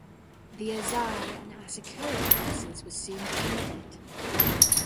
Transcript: The Azai and Asakura forces were soon defeated.